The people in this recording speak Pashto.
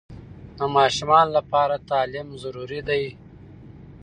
د ماشومانو لپاره تعلیم ضروري ده